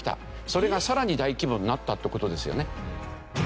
それがさらに大規模になったって事ですよね。